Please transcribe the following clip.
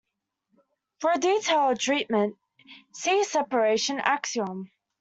For a detailed treatment, see separation axiom.